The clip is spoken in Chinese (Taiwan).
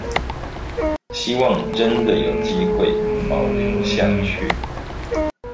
希望真的有機會保留下去